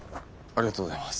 ありがとうございます。